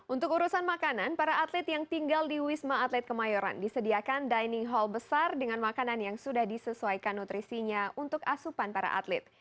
untuk urusan makanan para atlet yang tinggal di wisma atlet kemayoran disediakan dining hall besar dengan makanan yang sudah disesuaikan nutrisinya untuk asupan para atlet